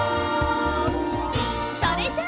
それじゃあ！